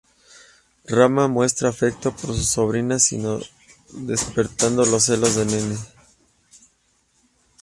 Rema muestra afecto por su sobrino Nino, despertando los celos de Nene.